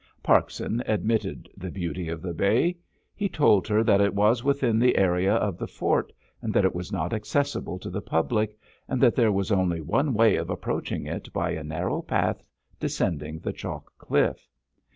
Parkson admitted the beauty of the bay. He told her that it was within the area of the fort, and that it was not accessible to the public, and that there was only one way of approaching it by a narrow path descending the chalk cliff.